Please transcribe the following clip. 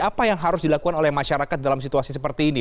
apa yang harus dilakukan oleh masyarakat dalam situasi seperti ini